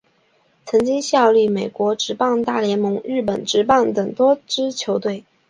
曾经效力美国职棒大联盟日本职棒等多支球队。